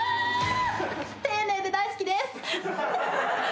丁寧で大好きです。